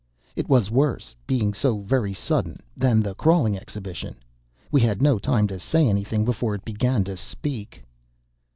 It was worse, being so very sudden, than the crawling exhibition. We had no time to say anything before it began to speak.